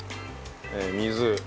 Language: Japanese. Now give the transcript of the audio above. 水。